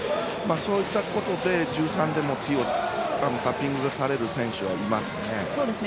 そういったことで１３でもタッピングされる選手はいますね。